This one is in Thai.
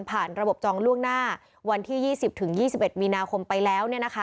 ระบบจองล่วงหน้าวันที่๒๐๒๑มีนาคมไปแล้ว